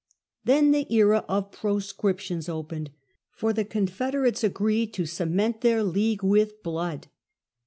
Then the era of Proscriptions opened, for the confederates agreed to cement their league with blood.